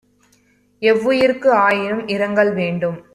எவ்வுயிர்க்கு ஆயினும் இரங்கல் வேண்டும்